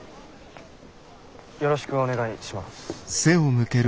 よろしくお願いします。